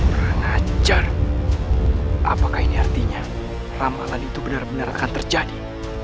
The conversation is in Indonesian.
kurang ajar apakah ini artinya ramalan itu benar benar akan terjadi